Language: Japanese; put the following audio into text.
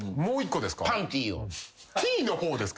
ティーの方ですか？